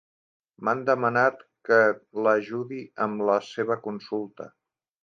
M'han demanat que l'ajudi amb la seva consulta.